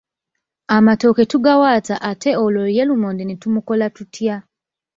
Amatooke tugawaata ate olwo lumonde ye ne tumukola tutya?